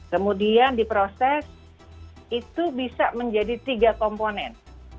kemudian diproses itu bisa menjadi tiga komponen